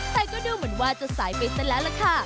แต่ก็ดูเหมือนว่าจะสายไปซะแล้วล่ะค่ะ